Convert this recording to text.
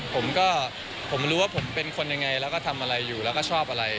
ผมก็ผมรู้ว่าผมเป็นคนยังไงแล้วก็ทำอะไรอยู่แล้วก็ชอบอะไร